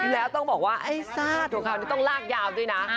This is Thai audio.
แล้วต้องบอกว่าไอ้ซากของเขานี่ต้องลากยาวด้วยนะ